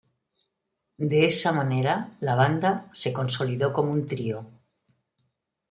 De esta manera, la banda se consolidó como un trío.